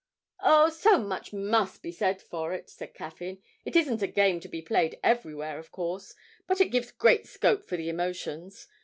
'Oh, so much must be said for it,' said Caffyn; 'it isn't a game to be played everywhere, of course; but it gives great scope for the emotions.